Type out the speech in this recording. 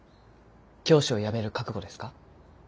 教師を辞める覚悟ですか？